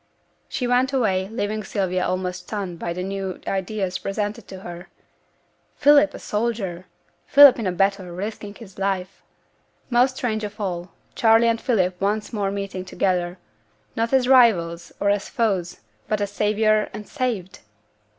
She went away, leaving Sylvia almost stunned by the new ideas presented to her. Philip a soldier! Philip in a battle, risking his life. Most strange of all, Charley and Philip once more meeting together, not as rivals or as foes, but as saviour and saved!